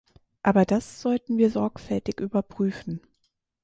Aber das sollten wir sorgfältig überprüfen.